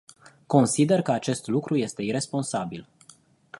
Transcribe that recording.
Consider că acest lucru este iresponsabil.